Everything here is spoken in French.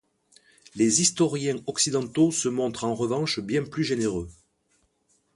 Les historiens occidentaux se montrent en revanche bien plus généreux.